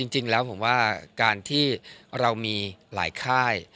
จริงแล้วผมว่าการที่เรามีหลายค่าย